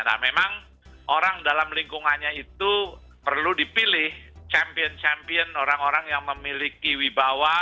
nah memang orang dalam lingkungannya itu perlu dipilih champion champion orang orang yang memiliki wibawa